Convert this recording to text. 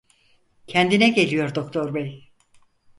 Kendine geliyor doktor bey.